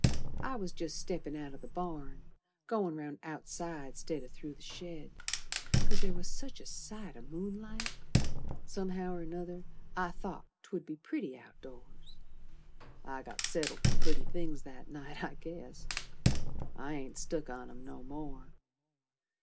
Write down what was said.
I was jest steppin' out t' th' barn, Goin' round outside 'stead o' through the shed, 'Cause there was such a sight o' moonlight Somehow or another I thought 'twould be pretty outdoors. I got settled for pretty things that night, I guess. I ain't stuck on 'em no more.